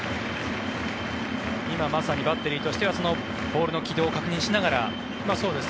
今まさにバッテリーとしてはボールの軌道を確認しながら。